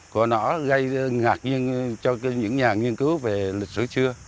của nó gây ngạc nhiên cho những nhà nghiên cứu về lịch sử xưa